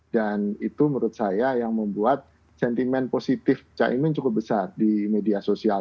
dan itu menurut saya yang membuat sentimen positif caimin cukup besar di media sosial